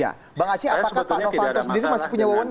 ya bang aceh apakah pak novanto sendiri masih punya wawonan